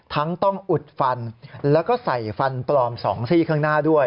ต้องอุดฟันแล้วก็ใส่ฟันปลอม๒ซี่ข้างหน้าด้วย